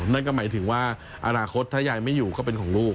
นั่นก็หมายถึงว่าอนาคตถ้ายายไม่อยู่ก็เป็นของลูก